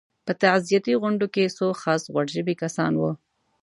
په تعزیتي غونډو کې څو خاص غوړ ژبي کسان وو.